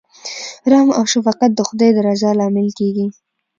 رحم او شفقت د خدای د رضا لامل کیږي.